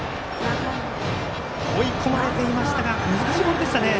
追い込まれていましたが難しいボールでしたね。